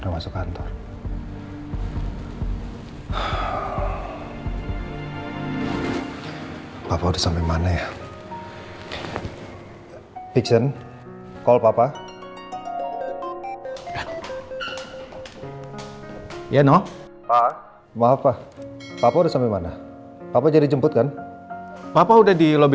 nomor yang terakhir yang saya punya udah ngaktif lagi